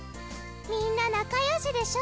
みんな仲よしでしょ？